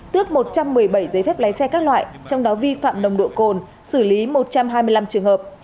tước một trăm một mươi bảy giấy phép lái xe các loại trong đó vi phạm nồng độ cồn xử lý một trăm hai mươi năm trường hợp